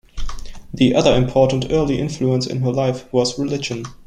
The other important early influence in her life was religion.